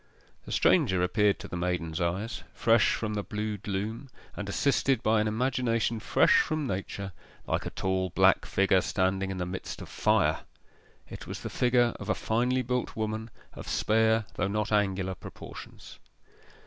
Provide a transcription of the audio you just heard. The stranger appeared to the maiden's eyes fresh from the blue gloom, and assisted by an imagination fresh from nature like a tall black figure standing in the midst of fire. It was the figure of a finely built woman, of spare though not angular proportions.